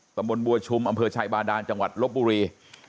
ตำบลบัวชุมอำเภอชัยบาดานจังหวัดลบบุรี